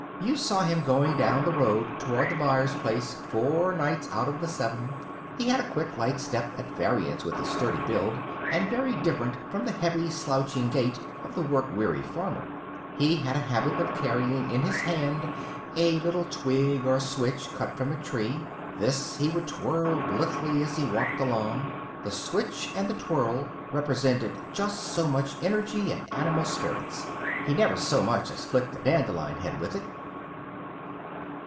You saw him going down the road toward the Byers place four nights out of the seven. He had a quick, light step at variance with his sturdy build, and very different from the heavy, slouching gait of the work weary farmer. He had a habit of carrying in his hand a little twig or switch cut from a tree. This he would twirl blithely as he walked along. The switch and the twirl represented just so much energy and animal spirits. He never so much as flicked a dandelion head with it.